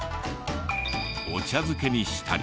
お茶漬けにしたり。